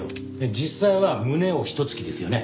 実際は胸をひと突きですよね？